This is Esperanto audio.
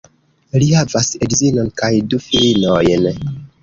Li havas edzinon kaj du filinojn.